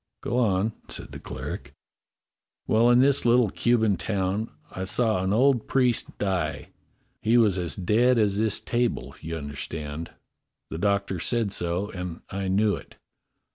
"Go on," said the cleric. "Well, in this little Cuban town I saw an old priest die. He was as dead as this table, you understand; the doctor said so, and I knew it.